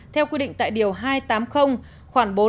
theo quy định tại điều hai trăm tám mươi khoảng bốn mươi